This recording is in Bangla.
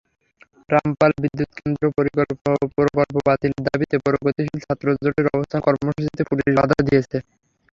রামপাল বিদ্যুৎকেন্দ্র প্রকল্প বাতিলের দাবিতে প্রগতিশীল ছাত্র জোটের অবস্থান কর্মসূচিতে পুলিশ বাধা দিয়েছে।